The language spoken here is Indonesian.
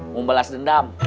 mau balas dendam